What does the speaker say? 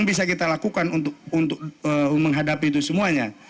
yang bisa kita lakukan untuk menghadapi itu semuanya